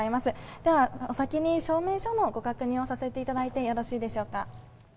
では、お先に証明書のご確認をさせていただいてよろしいでしょうか。